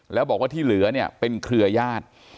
แล้วบอกว่าที่เหลือเนี่ยเป็นเครือญาติ